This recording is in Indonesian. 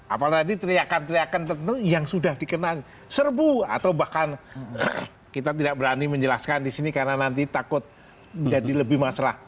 apalagi teriakan teriakan tertentu yang sudah dikenal serbu atau bahkan kita tidak berani menjelaskan disini karena nanti takut jadi lebih masalah